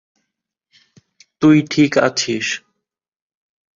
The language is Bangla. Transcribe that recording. তুই ঠিক আছিস।